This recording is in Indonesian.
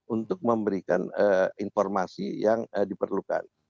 untuk memberikan informasi yang diperlukan